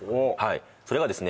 それがですね